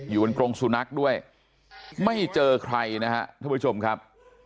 อยู่บนกรงสุนัขด้วยไม่เจอใครนะครับท่านผู้ชมครับ